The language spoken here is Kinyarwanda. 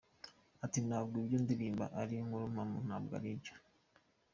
Ati “Ntabwo ibyo ndirimba ari inkuru mpamo, ntabwo ari byo.